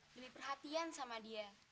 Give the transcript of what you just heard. lebih perhatian sama dia